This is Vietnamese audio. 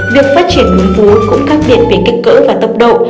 việc phát triển nung vú cũng khác biệt về kích cỡ và tập độ